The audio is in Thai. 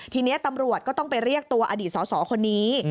ทีนี้ตำรวจก็ต้องไปเรียกตัวอดีตสสคนนี้